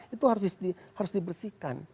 itu harus dibersihkan